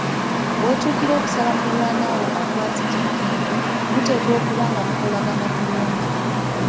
Wotuukira okusaba muliraanwa wo akwazike ekintu, muteekwa okuba nga mukolagana bulungi